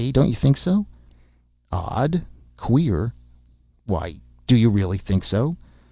—don't you think so?" "Odd!—queer!—why, do you really think so?